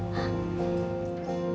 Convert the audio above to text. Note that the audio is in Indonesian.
kau bisa berjaga jaga sama mama